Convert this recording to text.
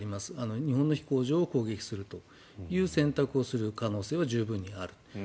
日本の飛行場を攻撃するという選択をする可能性は十分にある。